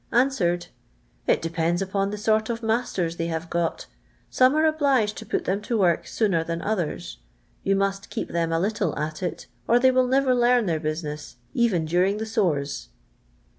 answered, "It depends upon the sort of master they have got; 'some are obliged to put them to work sooner than others ; you must keep them a little at it, or they will never learn their business, even during the sores."